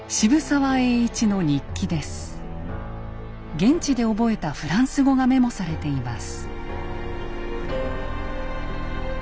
現地で覚えたフランス語がメモされています。